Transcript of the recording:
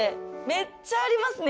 めっちゃありますね